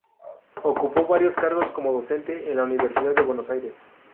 Ocupó varios cargos como docente en la Universidad de Buenos Aires.